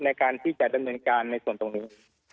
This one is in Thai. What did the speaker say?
ในการที่จะดำเนินการในส่วนตรงนี้